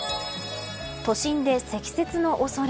都心で積雪の恐れ。